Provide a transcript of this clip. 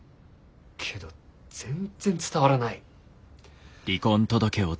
けど全然伝わらない。